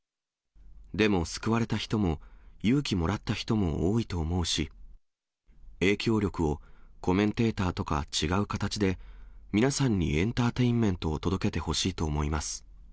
でも、救われた人も勇気もらった人も多いと思うし、影響力をコメンテーターとか、違う形で、皆さんにエンターテインメントを届けてほしいと思います。